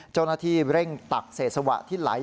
เจ้าหน้าที่เร่งตักเศษสวะที่ไหล